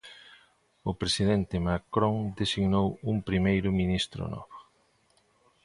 O presidente Macron designou un primeiro ministro novo.